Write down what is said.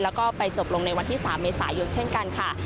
แล้วก็ไปจบลงในวันที่๓เมษายนเช่นกันค่ะ